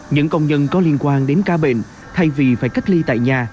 những công nhân có liên quan đến ca bệnh thay vì phải cách ly tại nhà